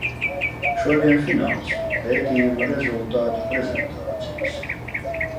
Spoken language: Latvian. Šodien fināls - pētījumu rezultātu prezentācijas.